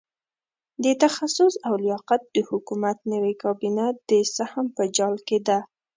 د تخصص او لیاقت د حکومت نوې کابینه د سهم په جال کې ده.